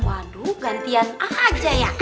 waduh gantian aja ya